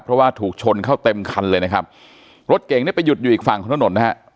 เพราะว่าถูกชนเข้าเต็มคันเลยนะครับรถเก่งเนี่ยไปหยุดอยู่อีกฝั่งถนนนะฮะ